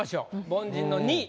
凡人の２位。